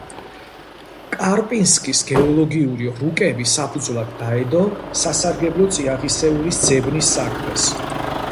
კარპინსკის გეოლოგიური რუკები საფუძვლად დაედო სასარგებლო წიაღისეულის ძებნის საქმეს.